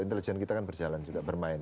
intelijen kita kan berjalan juga bermain